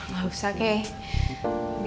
gak usah gey